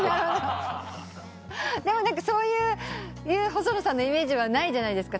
でもそういう細野さんのイメージはないじゃないですか。